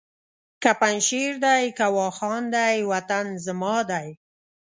که پنجشېر دی که واخان دی وطن زما دی!